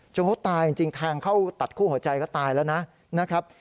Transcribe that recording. เขาตายจริงแทงเข้าตัดคู่หัวใจก็ตายแล้วนะครับ